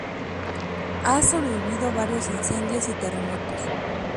Ha sobrevivido varios incendios y terremotos.